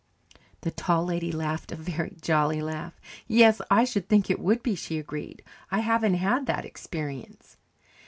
The Tall Lady laughed a very jolly laugh. "Yes, I should think it would be," she agreed. "I haven't had that experience."